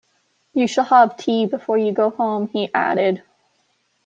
‘You shall have tea before you go home,’ he added.